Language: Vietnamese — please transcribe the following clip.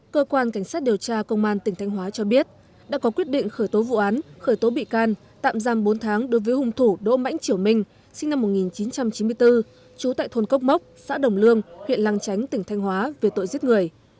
cơ quan cảnh sát điều tra công an tỉnh thanh hóa cho biết đã có quyết định khởi tố vụ án khởi tố bị can tạm giam bốn tháng đối với hung thủ đỗ mãnh triều minh sinh năm một nghìn chín trăm chín mươi bốn trú tại thôn cốc mốc xã đồng lương huyện lăng chánh tỉnh thanh hóa về tội giết người